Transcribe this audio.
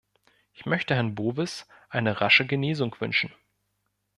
Ich möchte Herrn Bowis eine rasche Genesung wünschen.